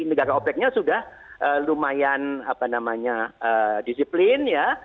negara opec nya sudah lumayan disiplin ya